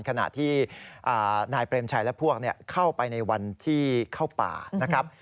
ขณะที่นายเปรมชัยและพวกเข้าไปในวันที่เข้าป่านะครับ